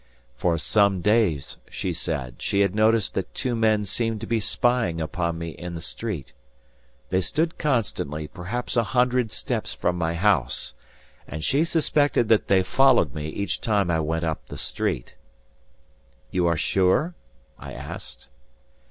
For some days, she said, she had noticed that two men seemed to be spying upon me in the street. They stood constantly, perhaps a hundred steps from my house; and she suspected that they followed me each time I went up the street. "You are sure?" I asked.